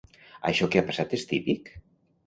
Això que ha passat és típic?